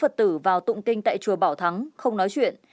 có số phật tử vào tụng kinh tại chùa bảo thắng không nói chuyện